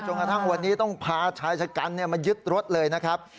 กระทั่งวันนี้ต้องพาชายชะกันมายึดรถเลยนะครับ